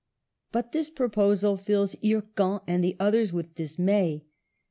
But this proposal fills Hircan and the others with dismay.